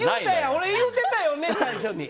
俺言うてたよね、最初に。